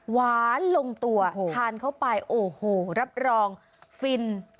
ลงตัวทานเข้าไปโอ้โหรับรองฟิน